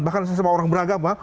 bahkan sesama orang beragama